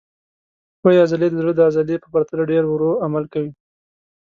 ښویې عضلې د زړه د عضلې په پرتله ډېر ورو عمل کوي.